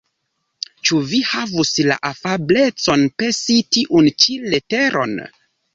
Ĉu vi havus la afablecon pesi tiun ĉi leteron?